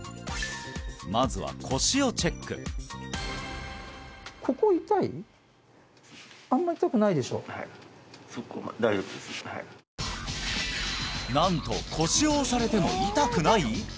まずは腰をチェックなんと腰を押されても痛くない！？